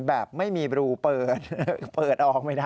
แบบไม่มีรูเปิดเปิดออกไม่ได้